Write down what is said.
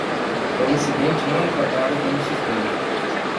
O incidente não é tratado como suspeito.